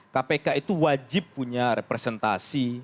kpk itu wajib punya representasi